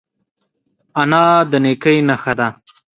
انا د نیکۍ نښه ده